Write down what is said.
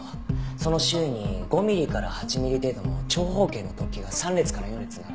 その周囲に５ミリから８ミリ程度の長方形の突起が３列から４列並んでいます。